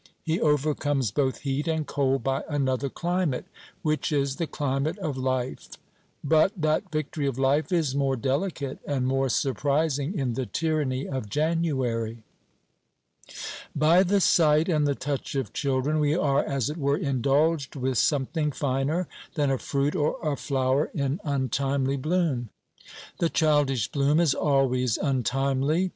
He overcomes both heat and cold by another climate, which is the climate of life; but that victory of life is more delicate and more surprising in the tyranny of January. By the sight and the touch of children, we are, as it were, indulged with something finer than a fruit or a flower in untimely bloom. The childish bloom is always untimely.